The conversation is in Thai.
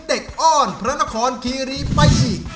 เด็กอ้อนพระนครคิรีไปอีก